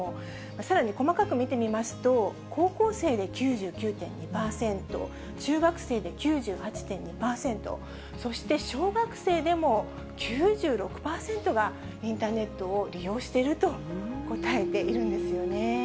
さらに細かく見てみますと、高校生で９９．２％、中学生で９８．２％、そして小学生でも９６％が、インターネットを利用していると答えているんですよね。